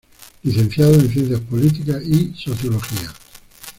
Licenciado en Ciencias Políticas y Sociología.